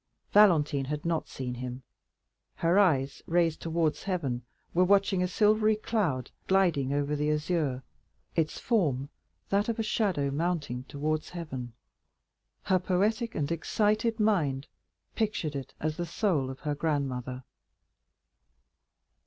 Valentine had not seen him. Her eyes, raised towards heaven, were watching a silvery cloud gliding over the azure, its form that of a shadow mounting towards heaven. Her poetic and excited mind pictured it as the soul of her grandmother.